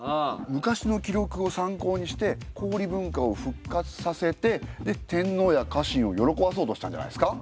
昔の記録を参考にして氷文化を復活させてで天皇や家臣を喜ばそうとしたんじゃないですか？